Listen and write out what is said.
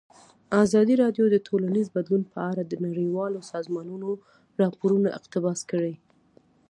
ازادي راډیو د ټولنیز بدلون په اړه د نړیوالو سازمانونو راپورونه اقتباس کړي.